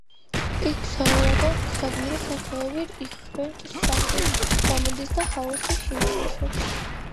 იქ საარაკო საგმირო საქმეებით იხვეჭს სახელს, ჩამოდის და ჰაოსი შინ არ უშვებს.